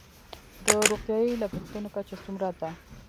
د روغتیايي لګښتونو کچه څومره ده؟